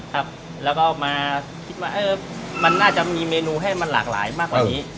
ครับแล้วก็มาคิดว่ามันน่าจะมีเมนูให้มันหลากหลายมากกว่านี้